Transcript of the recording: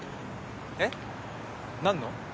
えっ？何の？